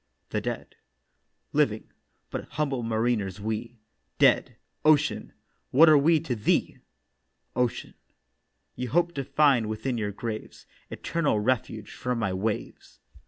THE DEAD: 'Living, but humble mariners we; Dead, Ocean, what are we to thee?' OCEAN: 'You hoped to find within your graves Eternal refuge from my waves.